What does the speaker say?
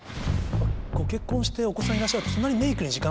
ご結婚してお子さんいらっしゃるとメイクに時間を。